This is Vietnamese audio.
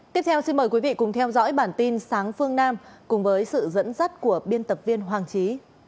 tiếp theo xin mời quý vị cùng theo dõi bản tin sáng phương nam cùng với sự dẫn dắt của biên tập viên hoàng trí